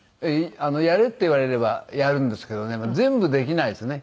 やれって言われればやるんですけどね全部できないですね。